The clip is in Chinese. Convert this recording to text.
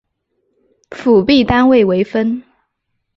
辅币单位为分。